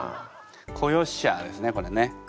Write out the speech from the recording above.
「子よっしゃあ」ですねこれね。